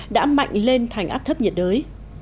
đã mạnh lên thành áp thấp nhiệt đới